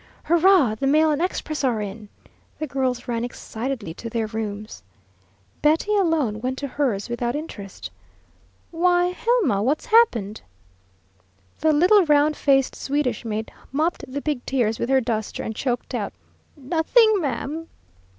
"Hurrah, the mail and express are in!" The girls ran excitedly to their rooms. Betty alone went to hers without interest. "Why, Hilma, what's happened?" The little round faced Swedish maid mopped the big tears with her duster, and choked out: "Nothings, ma'am!"